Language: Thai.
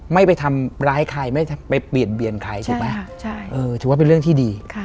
ไม่ไปทำร้ายใครไม่ไปเปลี่ยนเบียนใครถูกไหมถือว่าเป็นเรื่องที่ดี